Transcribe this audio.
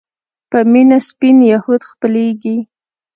په مينه سپين يهود خپلېږي